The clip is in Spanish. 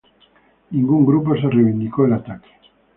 Ningún grupo se reivindicó el ataque.